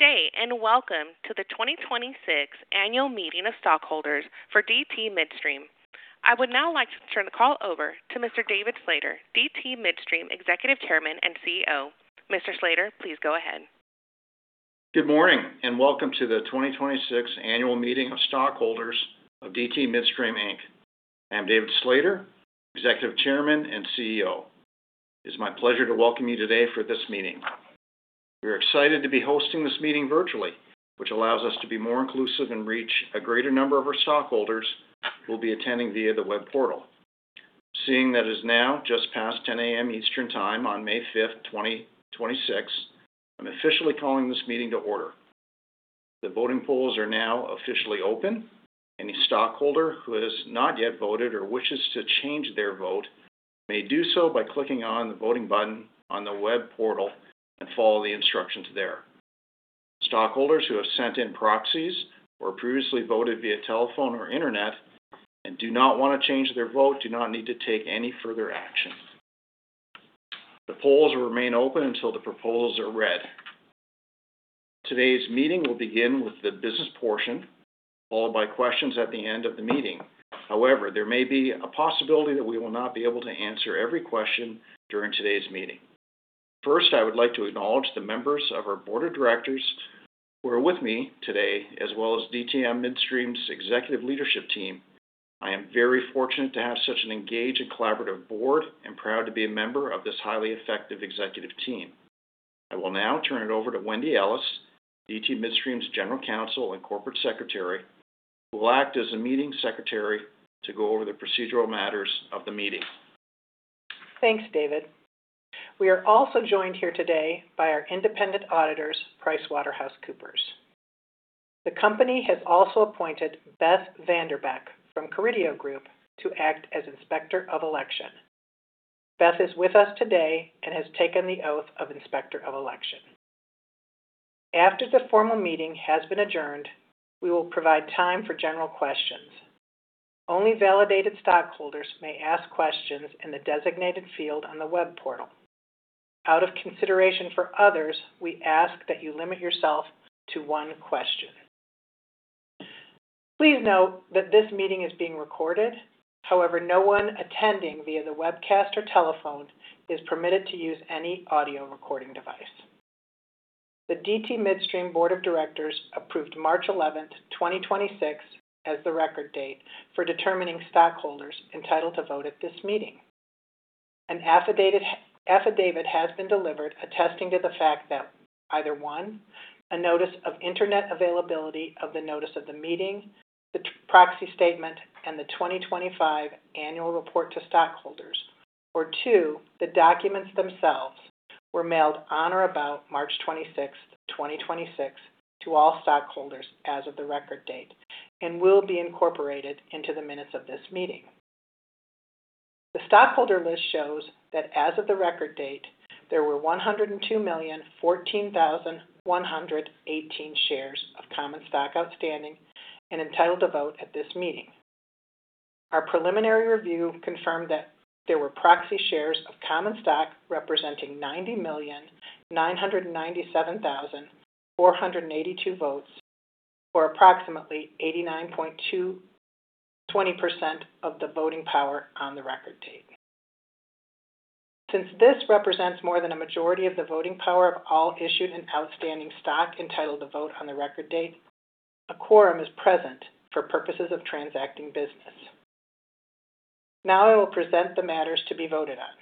Good day, and welcome to the 2026 Annual Meeting of Stockholders for DT Midstream. I would now like to turn the call over to Mr. David Slater, DT Midstream Executive Chairman and CEO. Mr. Slater, please go ahead. Good morning, welcome to the 2026 Annual Meeting of Stockholders of DT Midstream, Inc. I'm David Slater, Executive Chairman and CEO. It is my pleasure to welcome you today for this meeting. We are excited to be hosting this meeting virtually, which allows us to be more inclusive and reach a greater number of our stockholders who will be attending via the web portal. Seeing that it is now just past 10:00 A.M. Eastern Time on May 5th, 2026, I'm officially calling this meeting to order. The voting polls are now officially open. Any stockholder who has not yet voted or wishes to change their vote may do so by clicking on the voting button on the web portal and follow the instructions there. Stockholders who have sent in proxies or previously voted via telephone or internet and do not wanna change their vote do not need to take any further action. The polls will remain open until the proposals are read. Today's meeting will begin with the business portion, followed by questions at the end of the meeting. However, there may be a possibility that we will not be able to answer every question during today's meeting. First, I would like to acknowledge the members of our board of directors who are with me today, as well as DT Midstream's executive leadership team. I am very fortunate to have such an engaged and collaborative board and proud to be a member of this highly effective executive team. I will now turn it over to Wendy Ellis, DT Midstream's General Counsel and Corporate Secretary, who will act as the meeting secretary to go over the procedural matters of the meeting. Thanks, David. We are also joined here today by our independent auditors, PricewaterhouseCoopers. The company has also appointed Beth Vanderbeck from Carideo Group to act as Inspector of Election. Beth is with us today and has taken the oath of Inspector of Election. After the formal meeting has been adjourned, we will provide time for general questions. Only validated stockholders may ask questions in the designated field on the web portal. Out of consideration for others, we ask that you limit yourself to 1 question. Please note that this meeting is being recorded, no one attending via the webcast or telephone is permitted to use any audio recording device. The DT Midstream Board of Directors approved March 11th, 2026 as the record date for determining stockholders entitled to vote at this meeting. An affidavit has been delivered attesting to the fact that either, 1, a notice of internet availability of the notice of the meeting, the proxy statement, and the 2025 annual report to stockholders. Or 2, the documents themselves were mailed on or about March 26th, 2026 to all stockholders as of the record date and will be incorporated into the minutes of this meeting. The stockholder list shows that as of the record date, there were 102,014,118 shares of common stock outstanding and entitled to vote at this meeting. Our preliminary review confirmed that there were proxy shares of common stock representing 90,997,482 votes, or approximately 89.220% of the voting power on the record date. Since this represents more than a majority of the voting power of all issued and outstanding stock entitled to vote on the record date, a quorum is present for purposes of transacting business. Now I will present the matters to be voted on.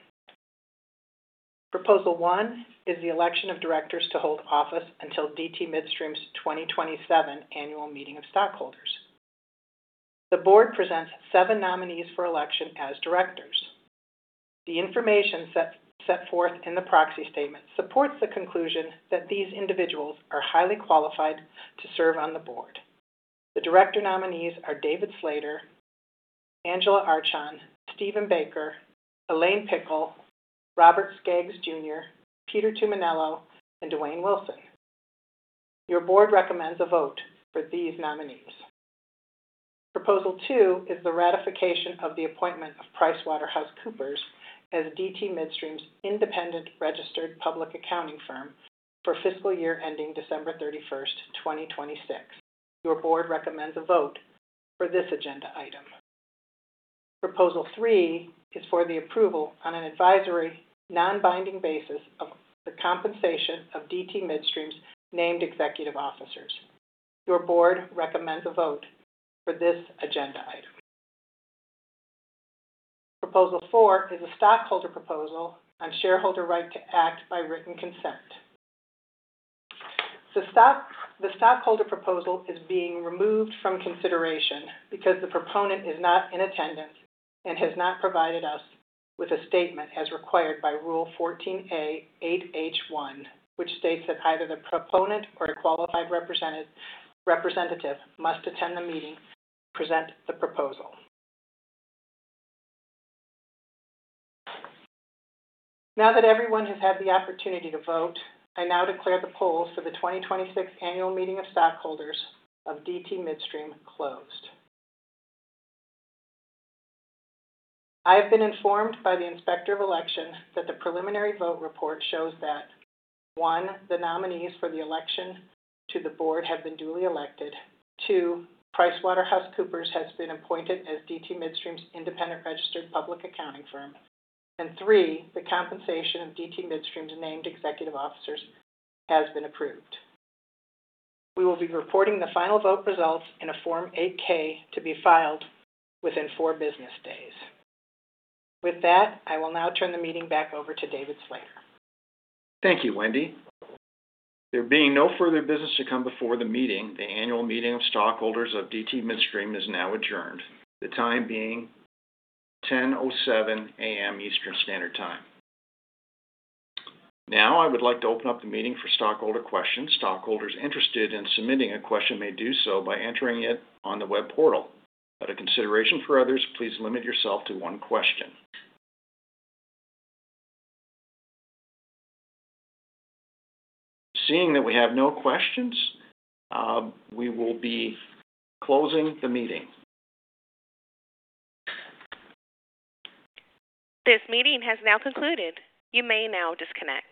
Proposal 1 is the election of directors to hold office until DT Midstream's 2027 Annual Meeting of Stockholders. The board presents 7 nominees for election as directors. The information set forth in the proxy statement supports the conclusion that these individuals are highly qualified to serve on the board. The director nominees are David Slater, Angela Archon, Stephen Baker, Elaine Pickle, Robert Skaggs, Jr., Peter Tumminello, and Dwayne Wilson. Your board recommends a vote for these nominees. Proposal 2 is the ratification of the appointment of PricewaterhouseCoopers as DT Midstream's independent registered public accounting firm for fiscal year ending December 31st, 2026. Your board recommends a vote for this agenda item. Proposal 3 is for the approval on an advisory non-binding basis of the compensation of DT Midstream's named executive officers. Your board recommends a vote for this agenda item. Proposal 4 is a stockholder proposal on shareholder right to act by written consent. The stockholder proposal is being removed from consideration because the proponent is not in attendance and has not provided us with a statement as required by Rule 14A8H1, which states that either the proponent or a qualified representative must attend the meeting to present the proposal. Now that everyone has had the opportunity to vote, I now declare the polls for the 2026 Annual Meeting of Stockholders of DT Midstream closed. I have been informed by the Inspector of Election that the preliminary vote report shows that, 1, The nominees for the election to the board have been duly elected. 2, PricewaterhouseCoopers has been appointed as DT Midstream's independent registered public accounting firm. 3, The compensation of DT Midstream's named executive officers has been approved. We will be reporting the final vote results in a Form 8-K to be filed within 4 business days. With that, I will now turn the meeting back over to David Slater. Thank you, Wendy. There being no further business to come before the meeting, the Annual Meeting of Stockholders of DT Midstream is now adjourned, the time being 10:07 A.M. Eastern Standard Time. I would like to open up the meeting for stockholder questions. Stockholders interested in submitting a question may do so by entering it on the web portal. Out of consideration for others, please limit yourself to one question. Seeing that we have no questions, we will be closing the meeting. This meeting has now concluded. You may now disconnect.